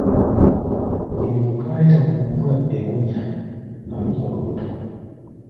Buli muntu ayita ku mbwa ewunya alumwa olubuto.